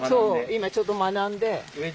今ちょっと学んで。